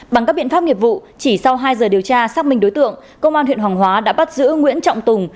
bằng các biện pháp nghiệp vụ chỉ sau hai giờ điều tra xác minh đối tượng công an huyện hoàng hóa đã bắt giữ nguyễn trọng tùng